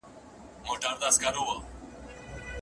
دېوالونه په پردو کې را ايسار دي